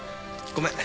ごめん。